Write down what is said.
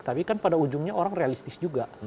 tapi kan pada ujungnya orang realistis juga